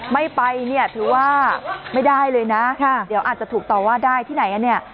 ไม่ไปเนี่ยถือว่าไม่ได้เลยนะเดี๋ยวอาจจะถูกต่อว่าได้ที่ไหนกันเนี่ย